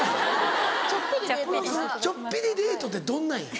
ちょっぴりデートってどんなんや？